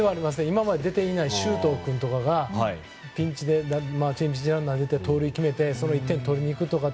今まで出ていない周東君とかがピンチランナーで出て盗塁をして点を取っていくとか。